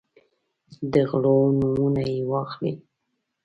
د غلو نومونه یې واخلئ.